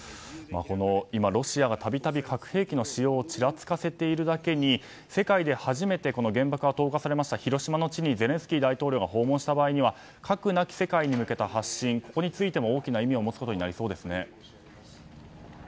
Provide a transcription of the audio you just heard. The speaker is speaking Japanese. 今、ロシアが度々核兵器の使用をちらつかせているだけに世界で初めて原爆が投下されました広島の地にゼレンスキー大統領が訪問した場合には核なき世界に向けた発信についても、大きな意味を持つことになりそうですね。